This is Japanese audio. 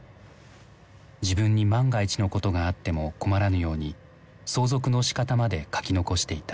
自分に万が一のことがあっても困らぬように相続のしかたまで書き残していた。